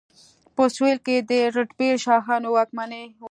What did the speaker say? په سویل کې د رتبیل شاهانو واکمني وه.